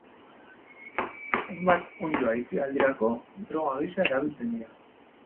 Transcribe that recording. Hainbat onddo aisialdirako droga gisa erabiltzen dira.